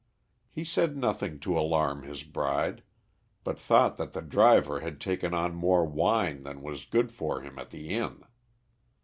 He said nothing to alarm his bride, but thought that the driver had taken on more wine than was good for him at the inn.